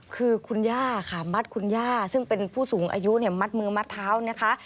คือคุณย่าค่ะมัดคุณย่าซึ่งเป็นผู้สูงอายุเนี่ยมัดมือมัดเท้านะคะ